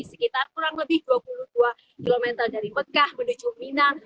sekitar kurang lebih dua puluh dua km dari mekah menuju minang